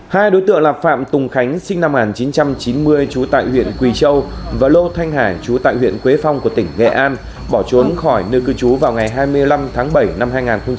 hai đối tượng là phạm tùng khánh sinh năm một nghìn chín trăm chín mươi trú tại huyện quỳ châu và lô thanh hải chú tại huyện quế phong của tỉnh nghệ an bỏ trốn khỏi nơi cư trú vào ngày hai mươi năm tháng bảy năm hai nghìn hai mươi ba